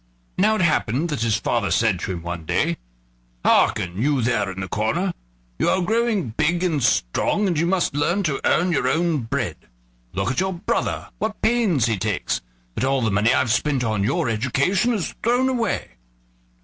Now it happened that his father said to him one day: "Hearken, you there in the corner; you are growing big and strong, and you must learn to earn your own bread. Look at your brother, what pains he takes; but all the money I've spent on your education is thrown away."